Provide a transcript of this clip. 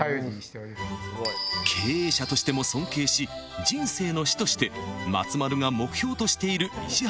［経営者としても尊敬し人生の師として松丸が目標としている石原社長］